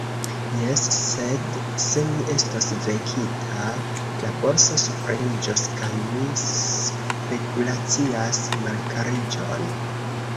Jes, sed se mi estos venkita, la borso supreniĝos, kaj mi spekulacias malkariĝon.